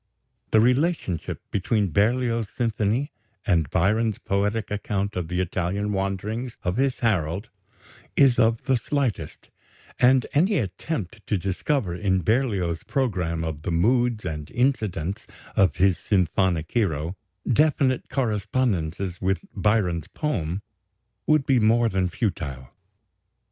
The relationship between Berlioz's symphony and Byron's poetic account of the Italian wanderings of his Harold is of the slightest, and any attempt to discover, in Berlioz's programme of the moods and incidents of his symphonic hero, definite correspondences with Byron's poem, would be more than futile.